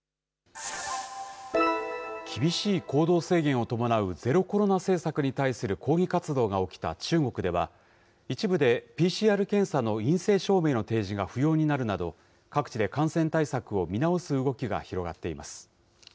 厳しい行動制限を伴うゼロコロナ政策に対する抗議活動が起きた中国では、一部でＰＣＲ検査の陰性証明の提示が不要になるなど、各地で感染対策を見直す動きが広がっています。